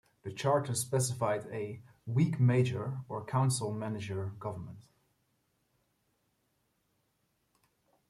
The charter specified a "weak mayor" or council-manager government.